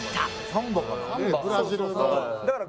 サンバから。